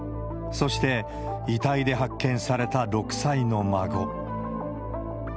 そして、遺体で発見された６歳の孫。